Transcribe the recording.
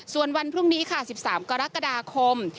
ส่วนวันพรุ่งนี้ค่ะ๑๓กรกฎาคม